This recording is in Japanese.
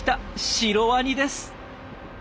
シロワニです！